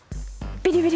ビリビリ！